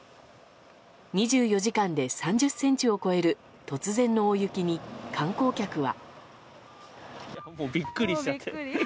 ２４時間で３０ｃｍを超える突然の大雪に、観光客は。